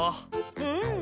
うん。